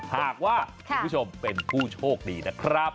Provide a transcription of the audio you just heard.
หากว่าคุณผู้ชมเป็นผู้โชคดีนะครับ